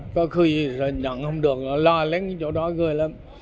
có khi nhận không được lo lắng chỗ đó người lắm